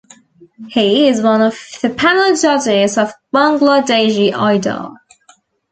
He is one the panel judges of Bangladeshi Idol.